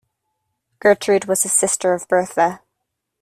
Gertrude was a sister of Bertha.